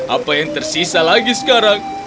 apa yang tersisa lagi sekarang